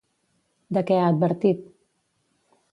De què ha advertit?